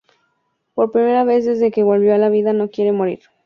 Por primera vez desde que volvió a la vida no quiere morir.